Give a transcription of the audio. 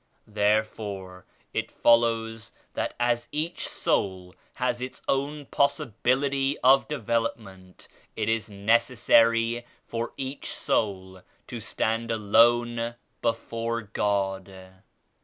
Thereifore it fol lows that as each soul has its own possibility of development, it is necessary for each soul to stand alone before God.